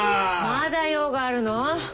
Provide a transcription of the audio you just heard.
まだ用があるの？